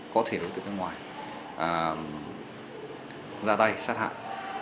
có thể đối tượng nước ngoài ra tay sát hại